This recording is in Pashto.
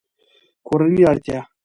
کورنۍ اړتیا